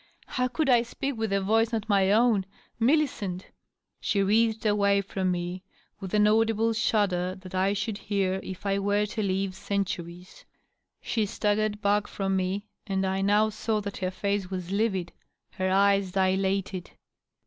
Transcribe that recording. How could I speak with a voice not my own? Millicent !^" She writhed away from me with an audible shudder that I should hear if I were to live centuries. She staggered baqk from me, and I now saw that her face was livid, her eyes dilated.